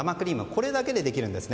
これだけでできるんです。